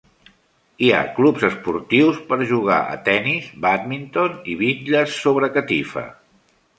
Hi ha clubs esportius per jugar a tennis, bàdminton i bitlles sobre catifa.